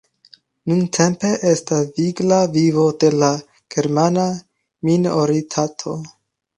Nuntempe estas vigla vivo de la germana minoritato.